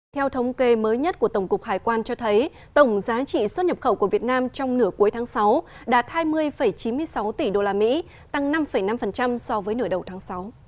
theo thống kê mới nhất của tổng cục hải quan cho thấy tổng giá trị xuất nhập khẩu của việt nam trong nửa cuối tháng sáu đạt hai mươi chín mươi sáu tỷ usd tăng năm năm so với nửa đầu tháng sáu